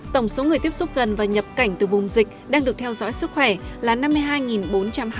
tổng số người tiếp xúc gần và nhập cảnh từ vùng dịch đang được theo dõi sức khỏe là năm mươi hai bốn trăm hai mươi người